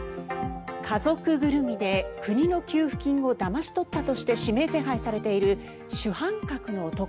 家族ぐるみで国の給付金をだまし取ったとして指名手配されている主犯格の男